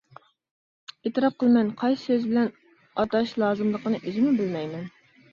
ئېتىراپ قىلىمەن، قايسى سۆز بىلەن ئاتاش لازىملىقىنى ئۆزۈممۇ بىلمەيمەن.